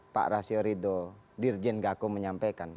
pak rasiorido dirjen gako menyampaikan